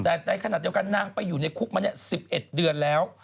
แต่ในขณะเดียวกันนางไปอยู่ในคุกมา๑๑เดือนแล้ว